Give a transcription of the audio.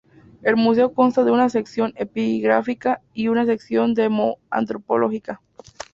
El museo consta de una sección epigráfica y una sección demo-antropológica.